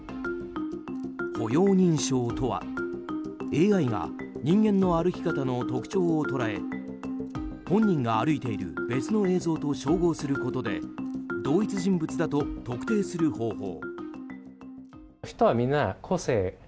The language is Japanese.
歩容認証とはＡＩが人間の歩き方の特徴を捉え本人が歩いている別の映像と照合することで同一人物だと特定する方法。